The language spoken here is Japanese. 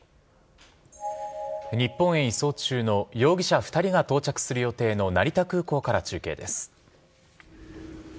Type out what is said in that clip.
日本へ移送中の容疑者２人が到着する予定の成田空港から中継です。